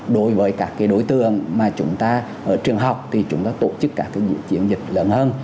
đối với các đối tượng mà chúng ta ở trường học thì chúng ta tổ chức cả những chiến dịch lớn hơn